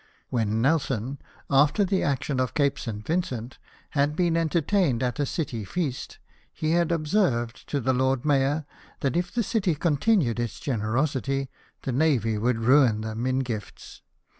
When Nelson, after the action of Cape St. Vincent, had been enter tained at a City feast, he had observed to the Lord Mayor, " that, if the City continued its generosity, the navy would ruin them in gifts."